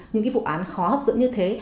những vụ án khó hấp dẫn như thế